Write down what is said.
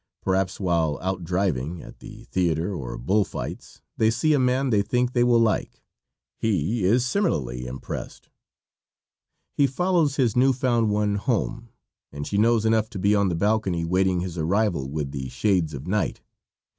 Perhaps while out driving, at the theater or bull fights, they see a man they think they will like. He is similarly impressed. He follows his new found one home, and she knows enough to be on the balcony awaiting his arrival with the shades of night.